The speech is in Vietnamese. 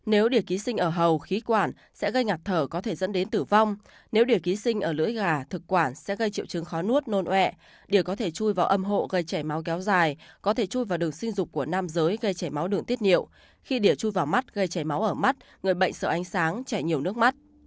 nếu để ký sinh ở hầu khí quản sẽ gây ngạc thở có thể dẫn đến tử vong nếu để ký sinh ở lưỡi gà thực quản sẽ gây triệu chứng khó nuốt nôn ẹ để có thể chui vào âm hộ gây chảy máu kéo dài có thể chui vào đường sinh dục của nam giới gây chảy máu đường tiết niệu khi đỉa chui vào mắt gây chảy máu ở mắt người bệnh sợ ánh sáng chảy nhiều nước mắt